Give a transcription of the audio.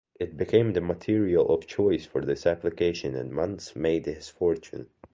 It became the material of choice for this application and Muntz made his fortune.